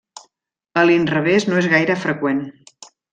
A l'inrevés no és gaire freqüent.